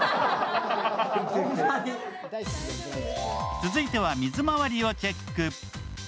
続いては水回りをチェック。